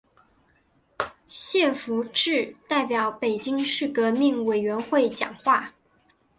谢富治代表北京市革命委员会讲话。